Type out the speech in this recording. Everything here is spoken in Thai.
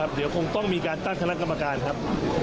เดี๋ยวคงต้องมีการตั้งคณะกรรมการครับ